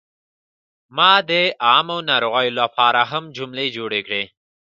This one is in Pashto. ما د عامو ناروغیو لپاره هم جملې جوړې کړې.